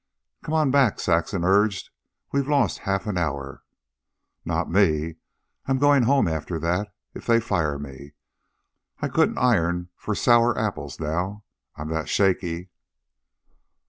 "Come on back," Saxon urged. "We've lost half an hour." "Not me. I'm goin' home after that, if they fire me. I couldn't iron for sour apples now, I'm that shaky."